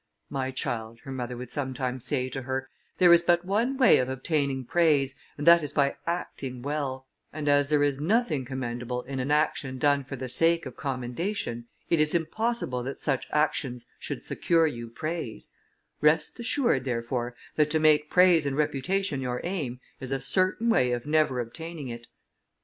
"My child," her mother would sometimes say to her, "there is but one way of obtaining praise, and that is by acting well; and as there is nothing commendable in an action done for the sake of commendation, it is impossible that such actions should secure you praise: rest assured, therefore, that to make praise and reputation your aim, is a certain way of never obtaining it."